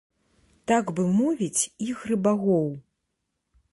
Так бы мовіць, ігры багоў.